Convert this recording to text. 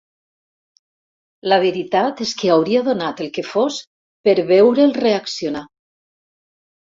La veritat és que hauria donat el que fos per veure'l reaccionar.